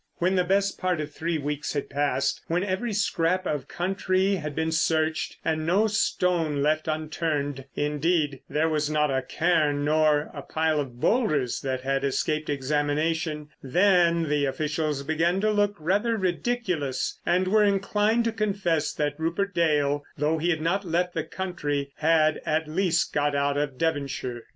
When the best part of three weeks had passed, when every scrap of country had been searched and no stone left unturned—indeed, there was not a cairn nor a pile of boulders that had escaped examination—then the officials began to look rather ridiculous, and were inclined to confess that Rupert Dale, though he had not left the country, had at least got out of Devonshire.